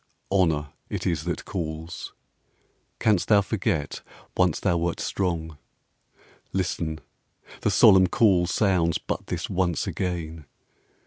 Honour it is that calls: canst thou forget Once thou wert strong? Listen; the solemn call Sounds but this once again.